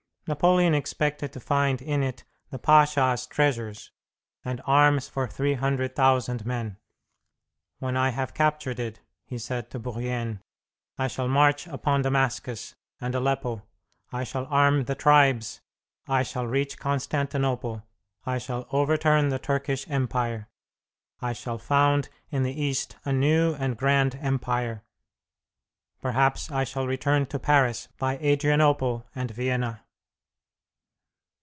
Napoleon expected to find in it the pasha's treasures, and arms for 300,000 men. "When I have captured it," he said to Bourrienne, "I shall march upon Damascus and Aleppo. I shall arm the tribes; I shall reach Constantinople; I shall overturn the Turkish Empire; I shall found in the East a new and grand empire. Perhaps I shall return to Paris by Adrianople and Vienna!"